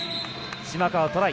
島川、トライ。